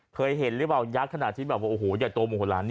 เคยเห็นหรือเปล่ายักษ์ขนาดที่แบบว่าโอ้โหใหญ่โตโมโหลาน